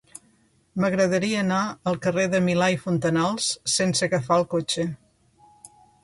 M'agradaria anar al carrer de Milà i Fontanals sense agafar el cotxe.